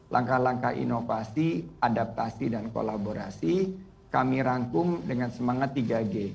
langkah langkah inovasi adaptasi dan kolaborasi kami rangkum dengan semangat tiga g